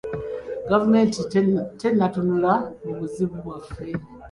Gavumenti tennatunula mu buzibu byaffe.